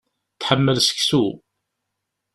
Tḥemmel seksu.